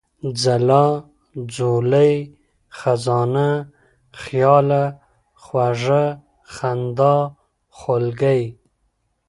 ځلا ، ځولۍ ، خزانه ، خياله ، خوږه ، خندا ، خولگۍ ،